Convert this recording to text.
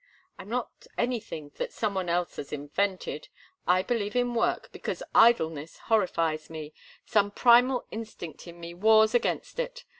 "I'm not anything that some one else has invented. I believe in work, because idleness horrifies me; some primal instinct in me wars against it.